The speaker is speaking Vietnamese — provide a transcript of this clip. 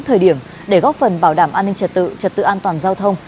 thời điểm để góp phần bảo đảm an ninh trật tự trật tự an toàn giao thông